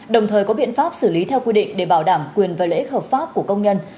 đồng thời có biện pháp xử lý theo quy định để bảo đảm quyền và lợi ích hợp pháp của công nhân